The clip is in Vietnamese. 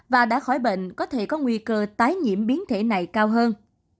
và đã khỏi bệnh có thể có nguy cơ tái nhiễm biến thể này cao hơn